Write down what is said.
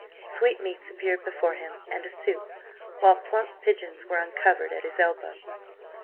Sweetmeats appeared before him and a soup, while plump pigeons were uncovered at his elbow.